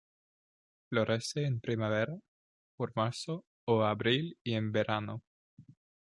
Florece en primavera, por marzo o abril y en verano.